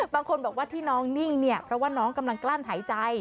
บางคนบอกว่าที่น้องนิ่งเนี่ยเพราะว่าน้องกำลังกลั้นหายใจ